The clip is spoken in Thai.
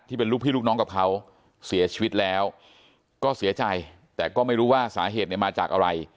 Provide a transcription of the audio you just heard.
เป็นลูกพี่ลูกน้องกับเขาเสียชีวิตแล้วก็เสียใจแต่ก็ไม่รู้ว่าสาเหตุเนี่ยมาจากอะไร